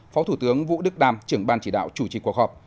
phó thủ tướng vũ đức đam trưởng ban chỉ đạo chủ trì cuộc họp